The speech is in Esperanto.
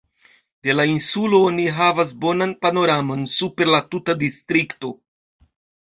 De la insulo oni havas bonan panoramon super la tuta distrikto.